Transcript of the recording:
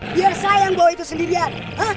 biar saya yang bawa itu sendirian